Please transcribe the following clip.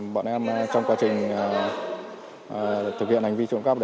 bọn em trong quá trình thực hiện hành vi trộm cắp